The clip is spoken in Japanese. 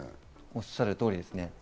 おっしゃる通りですね。